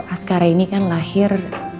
askara ini kan lahir